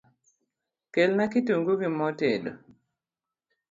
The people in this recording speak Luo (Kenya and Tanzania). Kelna kitungu gi mo tedo